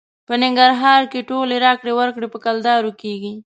په ننګرهار کې ټولې راکړې ورکړې په کلدارې کېږي.